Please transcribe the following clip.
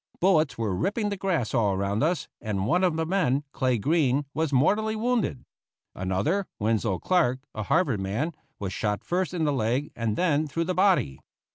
Bullets were ripping the grass all around us, and one of the men, Clay Green, was mortally wounded; another, Winslow Clark, a Harvard man, was shot first in the leg and then through the body.